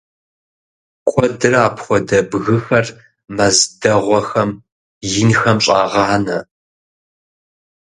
Куэдрэ апхуэдэ бгыхэр мэз дэгъуэхэм, инхэм щӀагъанэ.